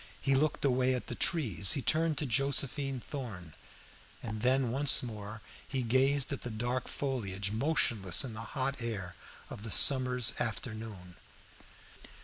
He looked away at the trees; he turned to Josephine Thorn; and then once more he gazed at the dark foliage, motionless in the hot air of the summer's afternoon.